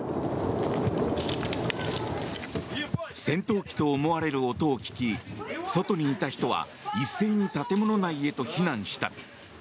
戦闘機と思われる音を聞き外にいた人は一斉に建物内へと避難した。